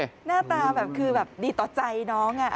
หน้าตาแบบคือแบบดีต่อใจน้อง